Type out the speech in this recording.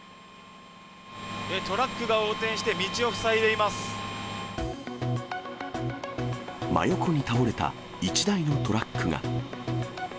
トラックが横転して、道を塞真横に倒れた一台のトラックが。